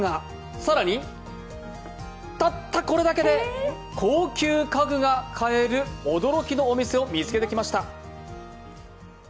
更にたったこれだけで高級家具が買える驚きのお店を見つけてきました。